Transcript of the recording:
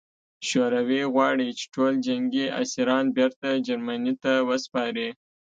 شوروي غواړي چې ټول جنګي اسیران بېرته جرمني ته وسپاري